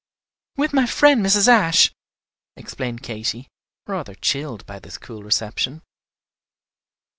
"With my friend Mrs. Ashe," explained Katy, rather chilled by this cool reception.